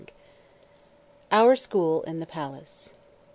OUR SCHOOL IN THE PALACE.